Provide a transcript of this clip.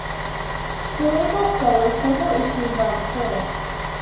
For legal scholars, several issues are important.